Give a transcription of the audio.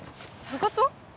部活は？